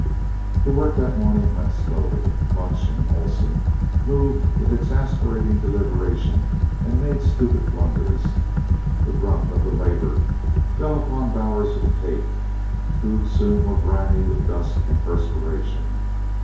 The work that morning went slowly. Bunch and Oleson moved with exasperating deliberation and made stupid blunders. The brunt of the labor fell upon Bowers and Kate, who soon were grimy with dust and perspiration.